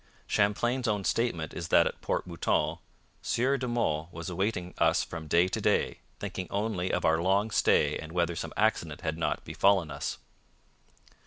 Champlain's own statement is that at Port Mouton 'Sieur de Monts was awaiting us from day to day, thinking only of our long stay and whether some accident had not befallen us.'